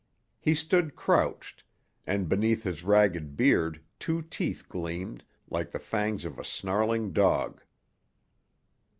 He stood crouched, and beneath his ragged beard two teeth gleamed, like the fangs of a snarling dog.